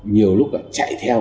nhiều lúc là chạy theo